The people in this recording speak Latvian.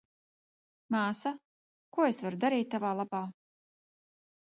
Māsa, ko es varu darīt tavā labā?